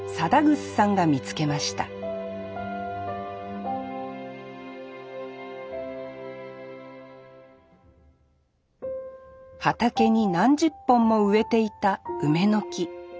貞楠さんが見つけました畑に何十本も植えていた梅の木。